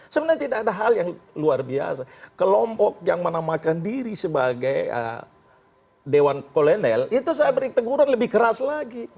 sebenarnya tidak ada hal yang luar biasa kelompok yang menamakan diri sebagai dewan kolonel itu saya beri teguran lebih keras lagi